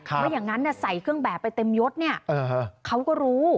แล้วยังนั้นใส่เครื่องแบบไปเต็มยดเขาก็รู้